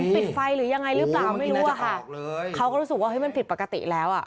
เป็นไฟหรือยังไงรึเปล่าไม่น่าจะรู้สึกว่ามันปิดปกติแล้วอ่ะ